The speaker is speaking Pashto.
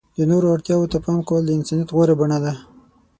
د نورو اړتیاوو ته پام کول د انسانیت غوره بڼه ده.